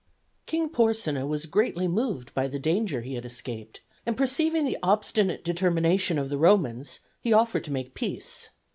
King Porsenna was greatly moved by the danger he had escaped, and perceiving the obstinate determination of the Romans, he offered to make peace.